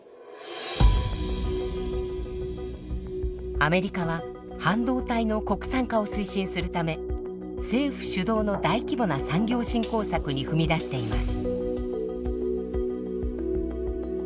アメリカは半導体の国産化を推進するため政府主導の大規模な産業振興策に踏み出しています。